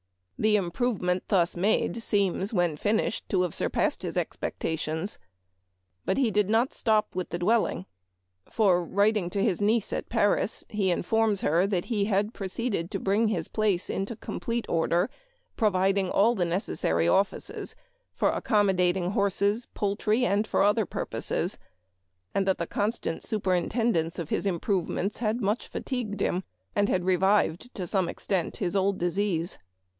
The improvement thus made seems, when finished, to have surpassed his expectation. But he did not stop with the dwelling, for, writing to his niece at Paris, he in forms her that he had proceeded to bring his place into complete order, providing all the necessary offices for accommodating horses, poultry, and for other purposes ; and that the constant superintendence of his improvements had much fatigued him, and had revived, to some extent, his old disease.